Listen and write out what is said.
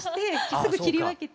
すぐ切り分けて。